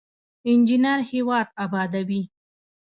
انجینر هیواد ابادوي